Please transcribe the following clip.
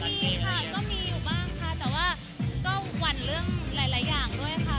มีค่ะก็มีอยู่บ้างค่ะแต่ว่าก็หวั่นเรื่องหลายอย่างด้วยค่ะ